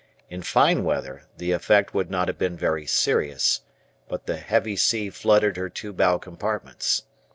In fine weather the effect would not have been very serious, but the heavy sea flooded her two bow compartments.